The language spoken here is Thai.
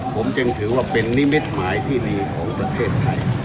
ผมจึงถือว่าเป็นนิมิตหมายที่ดีของประเทศไทย